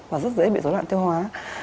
và rất dễ bị dối loạt tiêu hóa